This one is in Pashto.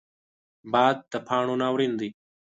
باد د پاڼو ناورین دی